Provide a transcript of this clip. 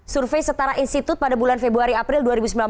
survei setara institut pada bulan februari april